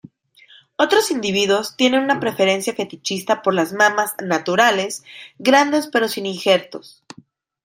Otros individuos tienen una preferencia fetichista por las mamas "naturales" grandes pero sin injertos.